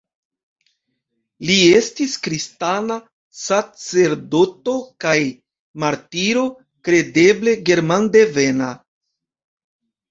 Li estis kristana sacerdoto kaj martiro, kredeble germandevena.